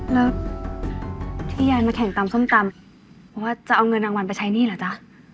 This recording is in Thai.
แล้วที่ยายมาแข่งตำส้มตำเพราะว่าจะเอาเงินรางวัลไปใช้หนี้เหรอจ๊ะ